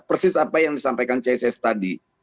persis apa yang disampaikan csis tadi